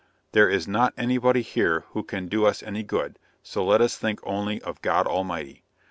There is not any body here who can do us any good, so let us think only of God Almighty.